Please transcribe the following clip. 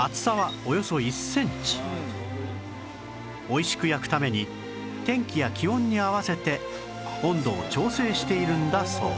美味しく焼くために天気や気温に合わせて温度を調整しているんだそう